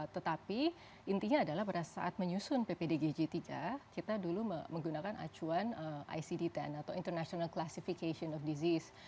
tetapi intinya adalah pada saat menyusun ppdgj tiga kita dulu menggunakan acuan icd sepuluh atau international classification of disease